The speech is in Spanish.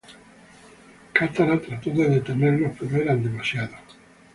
Katara trató de detenerlos pero eran demasiados.